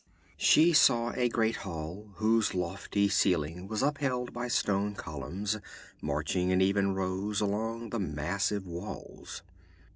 She saw a great hall, whose lofty ceiling was upheld by stone columns marching in even rows along the massive walls.